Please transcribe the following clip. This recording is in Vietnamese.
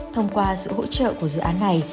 thông qua sự hỗ trợ của dự án này